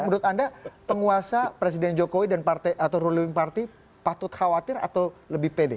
menurut anda penguasa presiden jokowi dan ruling party patut khawatir atau lebih pede